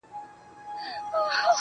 او په لوړ ږغ په ژړا سو.